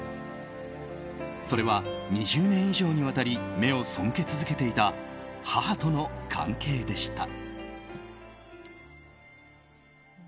それは２０年以上にわたり目を背け続けていた母との関係でした。